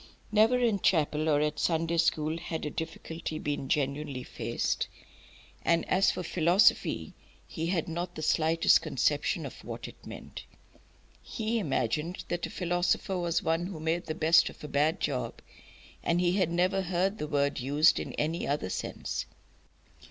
Never in chapel or at Sunday school had a difficulty been genuinely faced. And as for philosophy, he had not the slightest conception of what it meant. He imagined that a philosopher was one who made the best of a bad job, and he had never heard the word used in any other sense.